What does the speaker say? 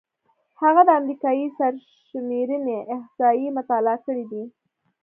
هغه د امریکايي سرشمېرنې احصایې مطالعه کړې دي.